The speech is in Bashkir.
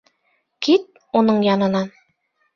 Кит уның янынан!